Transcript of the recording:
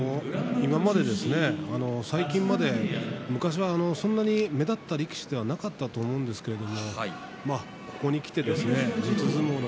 今まで、最近まで昔はそんなに目立った力士ではなかったと思うんですけどここにきて四つ